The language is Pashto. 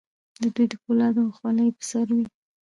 د دوی د فولادو خولۍ په سر وې.